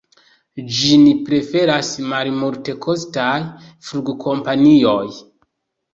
Ĝin preferas malmultekostaj flugkompanioj.